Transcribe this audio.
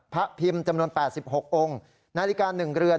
พระพิมพ์จำนวน๘๖องค์นาฬิกา๑เรือน